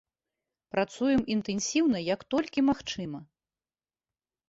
Працуем інтэнсіўна як толькі магчыма.